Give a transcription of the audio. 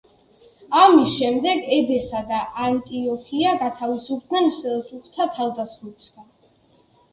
ამის შემდეგ ედესა და ანტიოქია გათავისუფლდნენ სელჩუკთა თავდასხმებისგან.